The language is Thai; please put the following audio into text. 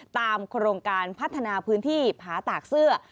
ตามโครงการพัฒนาพื้นที่ผาตากเสื้อ